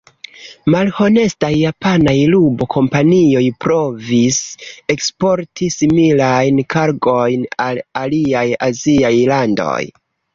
Malhonestaj japanaj rubo-kompanioj provis eksporti similajn kargojn al aliaj aziaj landoj.